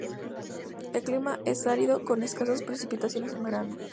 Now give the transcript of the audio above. El clima es árido, con escasas precipitaciones en verano.